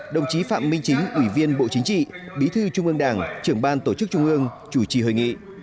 đồng chí phạm minh chính ủy viên bộ chính trị bí thư trung ương đảng trưởng ban tổ chức trung ương chủ trì hội nghị